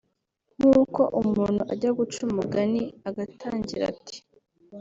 nk’uko umuntu ajya guca umugani agatangira ati